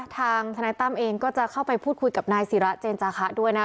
ทางทนายตั้มเองก็จะเข้าไปพูดคุยกับนายศิระเจนจาคะด้วยนะ